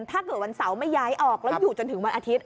ถ้าเกิดวันเสาร์ไม่ย้ายออกแล้วอยู่จนถึงวันอาทิตย